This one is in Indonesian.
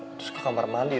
terus ke kamar mandi